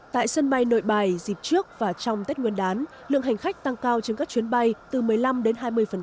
tại sân bay nội bài dịp trước và trong tết nguyên đán lượng hành khách tăng cao trên các chuyến bay từ một mươi năm đến hai mươi